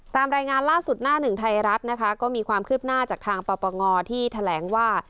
ตามรายงานล่าสุดหน้าหนึ่งไทยรัฐนะคะก็มีความคืบหน้าจากทางปปงที่แถลงว่า